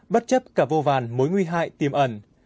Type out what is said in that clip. bất chấp cả vô vàn mối nguy hại tiềm ẩn